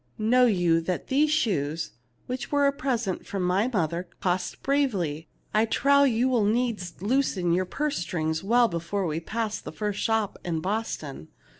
Know you that these shoes, which were a present from my mother, cost bravely ? I trow you will needs loosen your purse strings well before we pass the first shop in Boston.